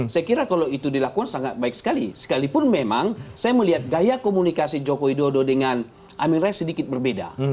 saya kira kalau itu dilakukan sangat baik sekali sekalipun memang saya melihat gaya komunikasi joko widodo dengan amin rais sedikit berbeda